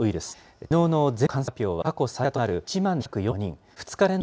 きのうの全国の感染発表は過去最多となる１万７４４人。